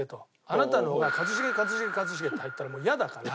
あなたの「一茂」「一茂」「一茂」って入ったらもう嫌だから。